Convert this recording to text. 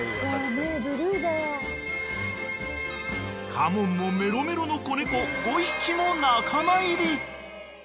［嘉門もメロメロの子猫５匹も仲間入り］